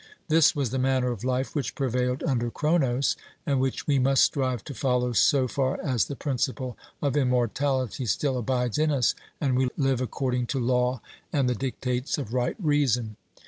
This was the manner of life which prevailed under Cronos, and which we must strive to follow so far as the principle of immortality still abides in us and we live according to law and the dictates of right reason.